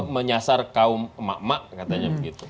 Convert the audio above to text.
menyasar kaum emak emak katanya begitu